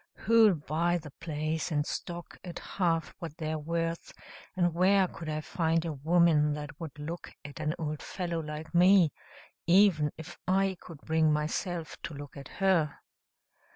Who'll buy the place and stock at half what they're worth, and where could I find a woman that would look at an old fellow like me, even if I could bring myself to look at her?"